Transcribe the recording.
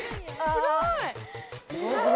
すごい！